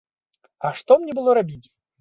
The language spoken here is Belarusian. А што мне было рабіць?